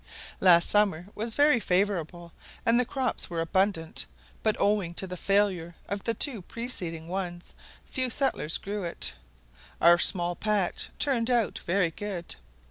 Last summer was very favourable, and the crops were abundant, but owing to the failure of the two preceding ones, fewer settlers grew it. Our small patch turned out very good.